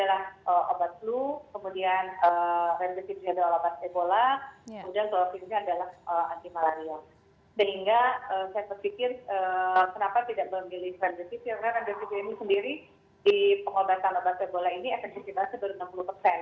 kami berusaha nanti memberikan langsungan langsungan kepada pemerintah dan pemerintah pemerintah untuk memberikan perhatian perhatian yang sekiranya dapat menjadi satu penyulit